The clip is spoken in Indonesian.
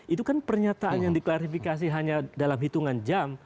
itu kan pernyataan yang diklarifikasi hanya dalam hitungan jam